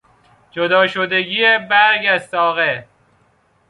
جدا شدگی برگ از ساقه